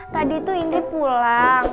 tadi tuh ndri pulang